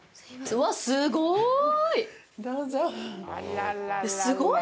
うわ、すごい！